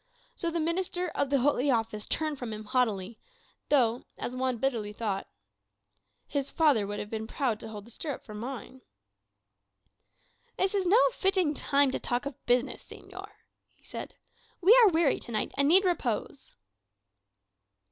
So the minister of the Holy Office turned from him haughtily, though, as Juan bitterly thought, "his father would have been proud to hold the stirrup for mine." "This is no fitting time to talk of business, señor," he said. "We are weary to night, and need repose."